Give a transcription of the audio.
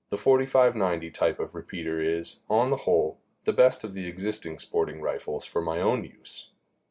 45 90 type of repeater is, on the whole, the best of the existing sporting rifles for my own use.